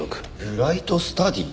ブライトスタディ？